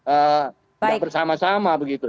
eee enggak bersama sama begitu